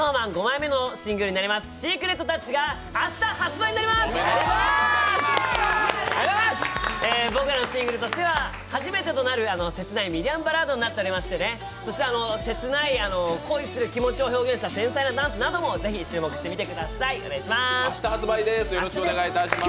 僕らのシングルとしては初めてとなる切ないミディアムバラードになっておりましてね、切ない恋する気持ちを表現した繊細なダンスなどもぜひ注目してみてください、お願いします。